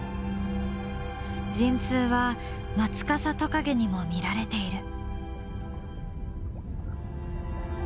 陣痛はマツカサトカゲにも見られている。